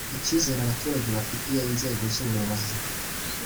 Icyizere abaturage bafitiye inzego z ubuyobozi